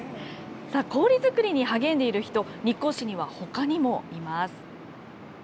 さあ、氷作りに励んでいる人、日光市にはほかにもいます。